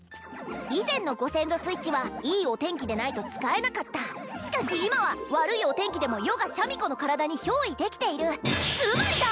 以前のごせんぞスイッチはいいお天気でないと使えなかったしかし今は悪いお天気でも余がシャミ子の体に憑依できているつまりだ！